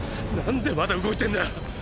⁉何でまだ動いてんだ